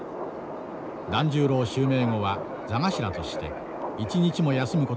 團十郎襲名後は座頭として一日も休むことはできない。